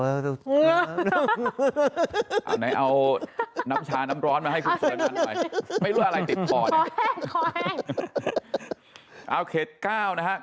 เอาไหนเอาน้ำชาน้ำร้อนมาให้คุณไม่รู้อะไรติดขอให้ขอให้เอาเขตเก้านะฮะ